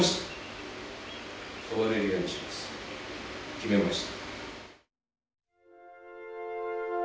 決めました。